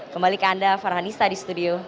kembali ke anda farhan nista di studio